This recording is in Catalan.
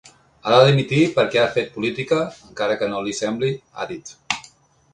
Ha de dimitir perquè ha fet política, encara que no li sembli, ha dit.